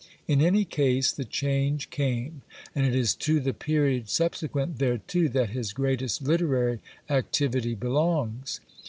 xn BIOGRAPHICAL AND change came and it is to the period subsequent thereto that his greatest Hterary activity belongs.